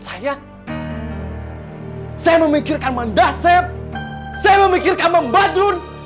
saya memikirkan membadrun